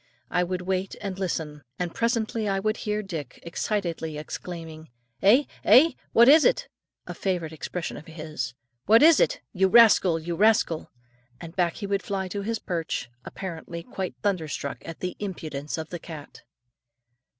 I would wait and listen; and presently I would hear Dick excitedly exclaiming, "Eh? eh? What is it?" a favourite expression of his: "What is it? You rascal! you rascal!" and back he would fly to his perch, apparently quite thunderstruck at the impudence of the cat.